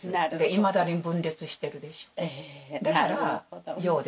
いまだに分裂してるでしょ。